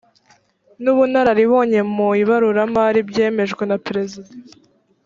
n’ubunararibonye mu ibaruramari byemejwe na perezida